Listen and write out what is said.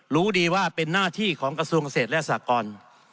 รู้ดีว่าเป็นหน้าที่ของกระทรวงเกษตรและสากร